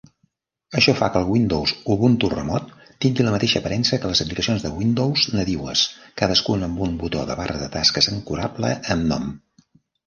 Això fa que el Windows Ubuntu remot tingui la mateixa aparença que les aplicacions de Windows nadiues, cadascuna amb un botó de barra de tasques ancorable amb nom.